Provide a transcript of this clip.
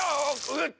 うっ。